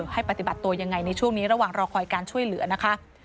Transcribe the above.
ให้ปฏิบัติตัวยังไงในช่วงนี้ระหว่างรอคอยการช่วยเหลือนะคะ